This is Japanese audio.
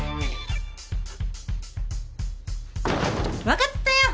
分かったよ。